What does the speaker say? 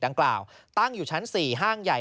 ดังกล่าวตั้งอยู่ชั้น๔ห้างใหญ่